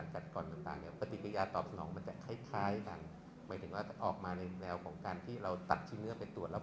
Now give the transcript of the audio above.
ปฏิกิรียาตอบคอนองมันจะคล้ายออกมาจากการตัดที่เนื้อเป็นตัว